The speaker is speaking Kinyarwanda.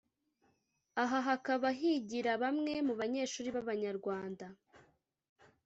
aha hakaba higira bamwe mu banyeshuri b’Abanyarwanda